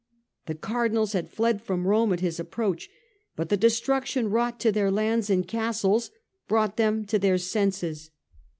The Cardinals had fled from Rome at his approach, but the destruction wrought to their lands and castles brought them to their senses.